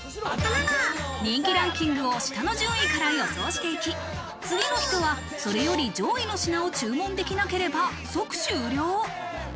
人気ランキングを下の順位から予想していき、次の人はそれより上位の品を注文できなければ即終了。